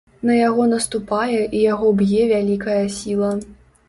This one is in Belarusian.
На яго наступае і яго б'е вялікая сіла.